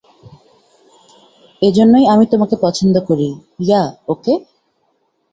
এজন্যই আমি তোমাকে পছন্দ করি - ইয়াহ ওকে?